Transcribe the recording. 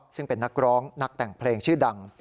ซึ่งเป็นนักร้องนักแต่งเพลงชื่อดัง